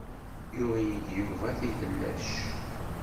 Yuɣ-iyi-d Yuba tilellac.